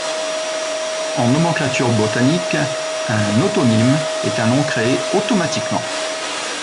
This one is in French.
En nomenclature botanique, un autonyme est un nom créé automatiquement.